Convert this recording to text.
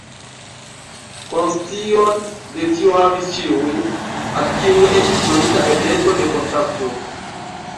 Konscion de tio havis ĉiuj, al kiuj estis donita ebleco de kontakto.